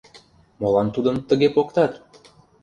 Молан тудым тыге поктат?